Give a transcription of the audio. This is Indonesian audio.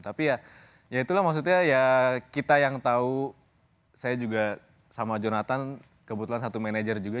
tapi ya ya itulah maksudnya ya kita yang tahu saya juga sama jonathan kebetulan satu manajer juga